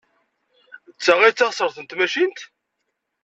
D ta ay d taɣsert n tmacint?